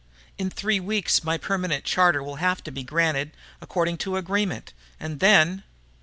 In three weeks my permanent charter will have to be granted, according to agreement, and then....